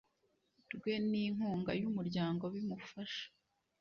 rwe n inkunga y umuryango bimufasha